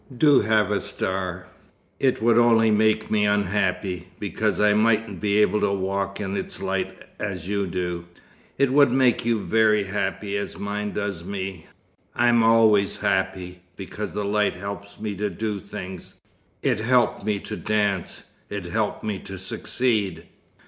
"Do have a star!" "It would only make me unhappy, because I mightn't be able to walk in its light, as you do." "It would make you very happy, as mine does me. I'm always happy, because the light helps me to do things. It helped me to dance: it helped me to succeed."